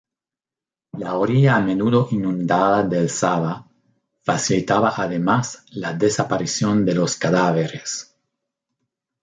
La orilla a menudo inundada del Sava facilitaba además la desaparición de los cadáveres.